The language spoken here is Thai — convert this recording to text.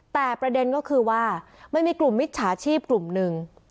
แต่ประเด็นก็คือว่ามันมีกลุ่มมิจฉาชีพกลุ่มหนึ่ง